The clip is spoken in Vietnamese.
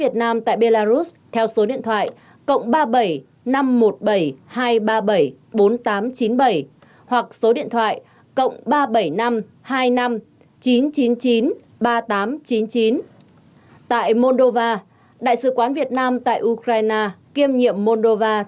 tại nga đại sứ quán việt nam tại nga